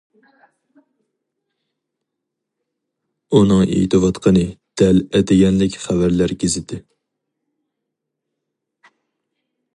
ئۇنىڭ ئېيتىۋاتقىنى دەل ئەتىگەنلىك خەۋەرلەر گېزىتى.